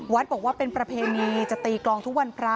บอกว่าเป็นประเพณีจะตีกลองทุกวันพระ